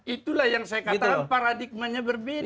itulah yang saya katakan paradigmanya berbeda